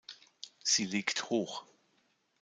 Sie liegt hoch.